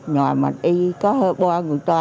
ngoài mình đi có hơi bo người ta